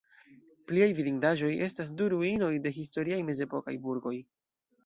Pliaj vidindaĵoj estas du ruinoj de historiaj mezepokaj burgoj.